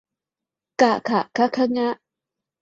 กะขะคะฆะงะ